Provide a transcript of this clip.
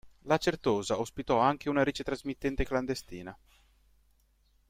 La certosa ospitò anche una ricetrasmittente clandestina.